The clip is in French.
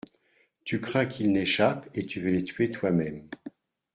Tu crains qu'ils n'échappent, et tu veux les tuer toi-même.